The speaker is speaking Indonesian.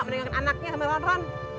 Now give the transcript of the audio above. mendingan anaknya sama ronron